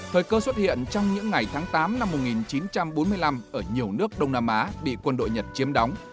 thời cơ xuất hiện trong những ngày tháng tám năm một nghìn chín trăm bốn mươi năm ở nhiều nước đông nam á bị quân đội nhật chiếm đóng